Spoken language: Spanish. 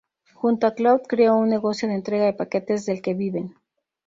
Junto a Cloud creó un negocio de entrega de paquetes del que viven.